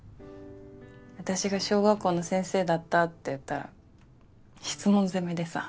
私が小学校の先生だったって言ったら質問攻めでさ